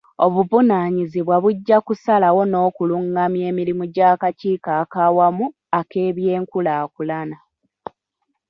Obuvunaanyizibwa bujja kusalawo n'okulungamya emirimu gy'akakiiko ak'awamu ak'ebyenkulaakulana.